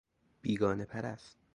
بیگانه پرست